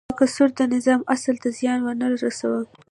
تکثیر د نظام اصل ته زیان ونه رسول.